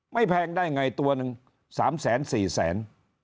แพงได้ไงตัวหนึ่ง๓แสน๔แสน